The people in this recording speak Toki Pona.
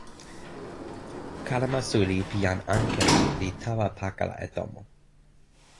kalama suli pi jan Ankewi li tawa pakala e tomo.